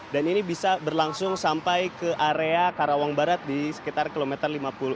dan ini bisa berlangsung sampai ke area karawang barat di sekitar kilometer lima puluh lima